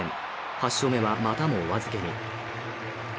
８勝目はまたもお預けに。